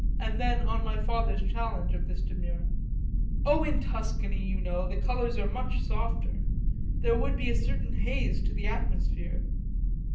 And then on my father's challenge of this demur: "Oh in Tuscany, you know, the colours are much softer there would be a certain haze in the atmosphere."